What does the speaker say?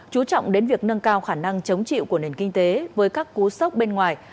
chú trọng đến việc nâng cao khả năng chống chịu của nền kinh tế với các cú sốc bên ngoài